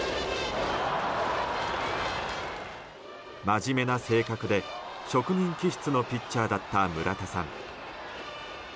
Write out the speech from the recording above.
真面目な性格で、職人気質のピッチャーだった村田さん。